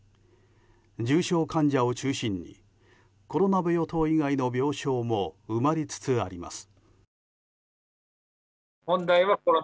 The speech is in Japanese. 重症患者を中心にコロナ病棟以外の病床も埋まりつつあります。